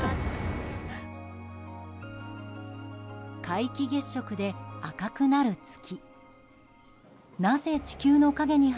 皆既月食で赤くなる月。